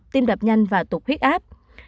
tim đập nhanh và tục huyết áp